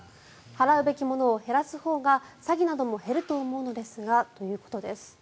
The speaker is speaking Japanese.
払うべきものを減らすほうが詐欺なども減ると思いますがということです。